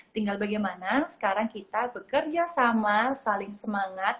tinggal bagaimana sekarang kita bekerja sama saling semangat